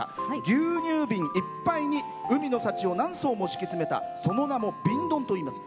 牛乳瓶いっぱいに海の幸を何層も敷き詰めたその名も瓶ドンといいます。